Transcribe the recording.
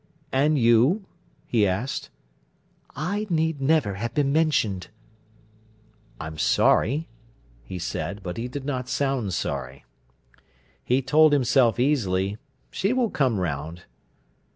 "And you?" he asked. "I need never have been mentioned." "I'm sorry," he said; but he did not sound sorry. He told himself easily: "She will come round."